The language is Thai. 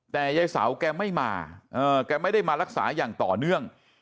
แต่ยายเสาแกไม่มาแกไม่ได้มารักษาอย่างต่อเนื่อง